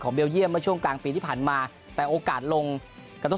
ของเบลเยี่ยมมาช่วงกลางปีที่ผ่านมาแต่โอกาสลงกับต้น